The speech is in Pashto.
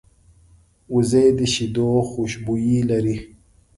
وزې د شیدو خوشبويي لري